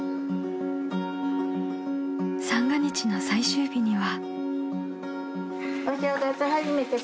［三が日の最終日には］